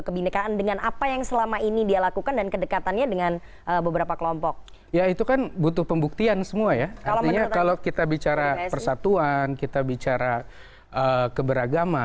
kerjanya nggak benar